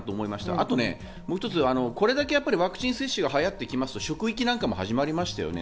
あとね、これだけワクチン接種が流行ってきますと職域なんかも始まりましたね。